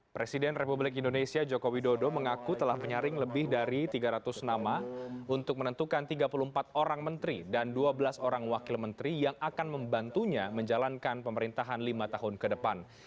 presiden republik indonesia joko widodo mengaku telah menyaring lebih dari tiga ratus nama untuk menentukan tiga puluh empat orang menteri dan dua belas orang wakil menteri yang akan membantunya menjalankan pemerintahan lima tahun ke depan